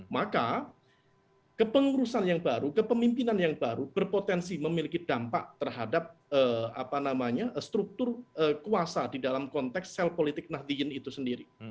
maka kepengurusan yang baru kepemimpinan yang baru berpotensi memiliki dampak terhadap apa namanya struktur kuasa di dalam konteks sel politik nahdliyin